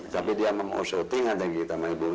tapi dia mau shorting aja gitu sama ibu